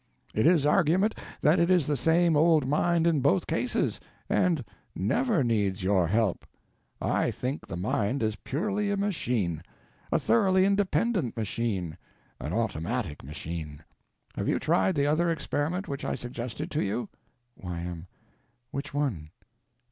It is argument that it is the same old mind in both cases, and never needs your help. I think the mind is purely a machine, a thoroughly independent machine, an automatic machine. Have you tried the other experiment which I suggested to you? Y.M. Which one?